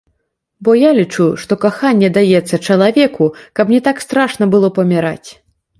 Бо я лічу, што каханне даецца чалавеку, каб не так страшна было паміраць.